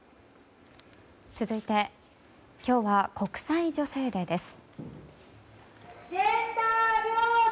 続いて、今日は国際女性デーです。